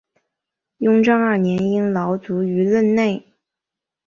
雍正二年因劳卒于任内。